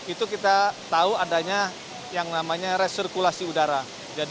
itu kita tahu adanya yang namanya resirkulasi udara